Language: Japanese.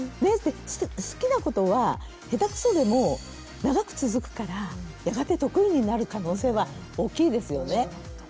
好きなことは下手くそでも長く続くからやがて得意になる可能性は大きいですよね。